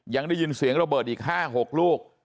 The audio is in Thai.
ยังได้ยินเสียงระเบิดอีก๕๖ลูก